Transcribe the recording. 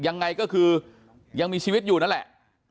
ยังไงก็คือยังมีชีวิตอยู่นั่นแหละ